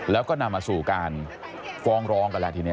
แล้วก็นำมาสู่การฟ้องร้องกันแล้วทีนี้